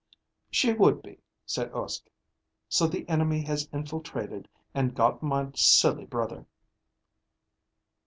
"She would be," said Uske. "So, the enemy has infiltrated and gotten my silly brother."